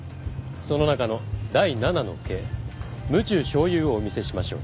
その中の第七の計無中生有をお見せしましょう。